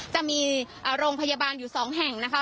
จะมีโรงพยาบาลอยู่๒แห่งนะคะ